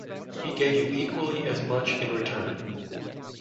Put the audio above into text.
He gave you equally as much in return.